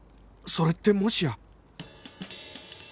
それってもしや